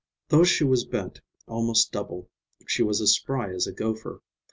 Though she was bent almost double, she was as spry as a gopher.